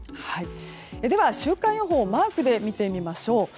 では、週間予報マークで見てみましょう。